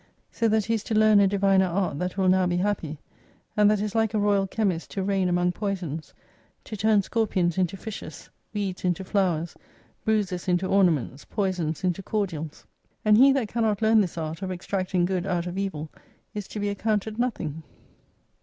So that he is to learn a diviner art that will now be happy, and that is like a royal chemist to reign among poisons, to turn scorpions into fishes, weeds into flowers, bruises into ornaments, poisons into cordials. And he that cannot learn this art, of extract ing good out of evil, is to be accounted nothing.